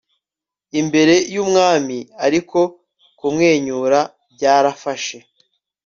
Imbere yUmwami ariko kumwenyura byarafashe